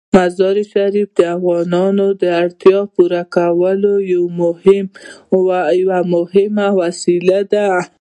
مزارشریف د افغانانو د اړتیاوو د پوره کولو یوه مهمه وسیله ده.